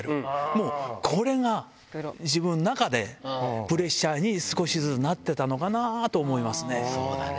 もう、これが自分の中でプレッシャーに少しずつなってたのかなと思いまそうだね。